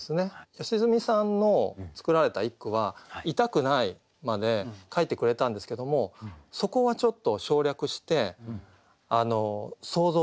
良純さんの作られた一句は「痛くない」まで書いてくれたんですけどもそこはちょっと省略して想像させる。